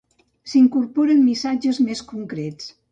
S'hi incorporen missatges més concrets.